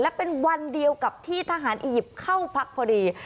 และเป็นวันเดียวกับที่ทหารอียิปต์เข้าพักพอดี